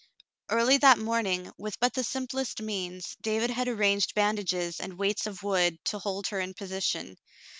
Early that morning, with but the simplest means, David had arranged bandages and weights of wood to hold her in position.